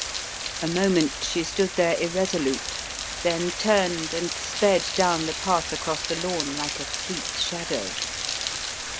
A moment she stood there irresolute, then turned and sped down the path across the lawn like a fleet shadow.